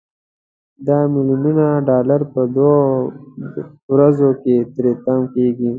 دا ملیونونه ډالر په دوه درې ورځو کې تري تم کیږي.